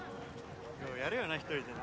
・ようやるよな１人でな・